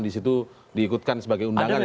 di situ diikutkan sebagai undangan